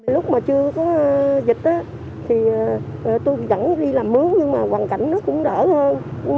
lúc mà chưa có dịch thì tôi vẫn đi làm mướn nhưng mà hoàn cảnh nó cũng đỡ hơn